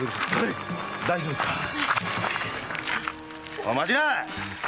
おう待ちな！